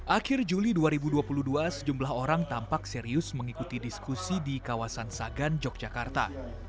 akhir juli dua ribu dua puluh dua sejumlah orang tampak serius mengikuti diskusi di kawasan sagan yogyakarta